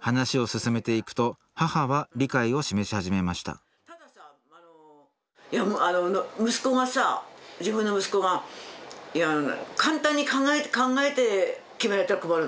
話を進めていくと母は理解を示し始めました息子がさ自分の息子が簡単に考えて決められたら困るのよ。